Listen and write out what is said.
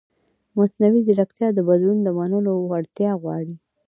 مصنوعي ځیرکتیا د بدلون د منلو وړتیا غواړي.